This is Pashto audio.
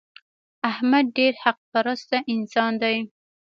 احمد ډېر حق پرسته انسان دی.